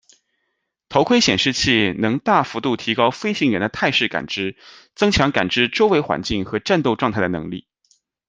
头盔显示器能大幅度提高飞行员的态势感知，增强感知周围环境和战斗状态的能力。